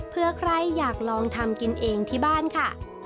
เพื่อใครอยากลองทำกินเองที่บ้านค่ะ